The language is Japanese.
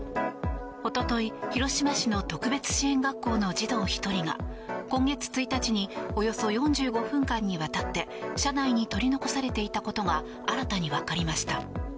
おととい、広島市の特別支援学校の児童１人が今月１日におよそ４５分間にわたって車内に取り残されていたことが新たにわかりました。